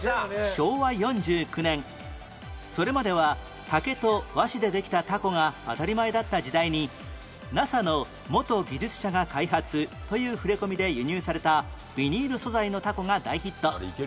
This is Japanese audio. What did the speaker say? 昭和４９年それまでは竹と和紙でできた凧が当たり前だった時代に「ＮＡＳＡ の元技術者が開発」という触れ込みで輸入されたビニール素材の凧が大ヒット